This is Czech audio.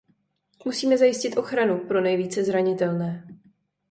Musíme zajistit ochranu pro nejvíce zranitelné.